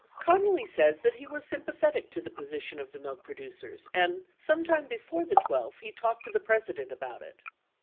45 Connally says that he was sympathetic to the position of the milk producers and, sometime before the 12th, he talked to the President about it.